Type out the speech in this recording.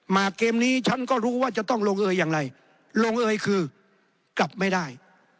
เกมนี้ฉันก็รู้ว่าจะต้องลงเอยอย่างไรลงเอยคือกลับไม่ได้